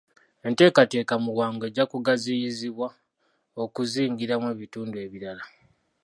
Enteekateeka mu bwangu ejja kugaziyizibwa okuzingiramu ebitundu ebirala.